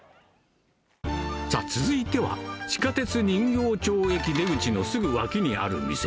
さあ、続いては、地下鉄人形町駅出口のすぐ脇にあるお店。